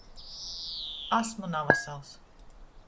Asmu navasals.